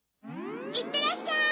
いってらっしゃい！